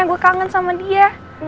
gue kangen sama dia